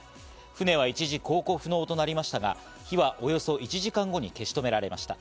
船は一時、航行不能となりましたが、火はおよそ１時間後に消し止められました。